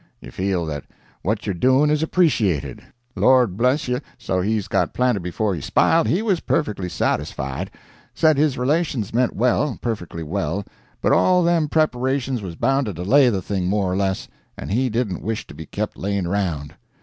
You feel that what you're doing is appreciated. Lord bless you, so's he got planted before he sp'iled, he was perfectly satisfied; said his relations meant well, perfectly well, but all them preparations was bound to delay the thing more or less, and he didn't wish to be kept layin' around.